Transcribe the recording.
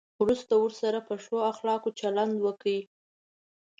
وروسته ورسره په ښو اخلاقو چلند وکړئ.